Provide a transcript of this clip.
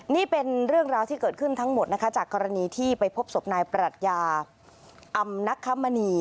นี่เป็นเรื่องราวที่เกิดขึ้นทั้งหมดนะคะจากกรณีที่ไปพบศพนายปรัชญาอำนักคมณี